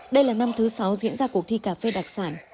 đây là năm thứ sáu diễn ra cuộc thi cà phê đặc sản